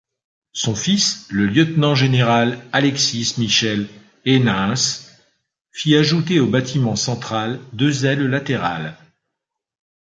Son fils, le lieutenant-général Alexis-Michel Eenens, fit ajouter au bâtiment central deux ailes latérales.